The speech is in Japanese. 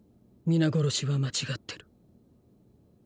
皆殺しは間違ってる。